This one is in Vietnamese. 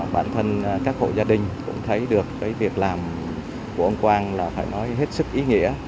bản thân các hộ gia đình cũng thấy được cái việc làm của ông quang là phải nói hết sức ý nghĩa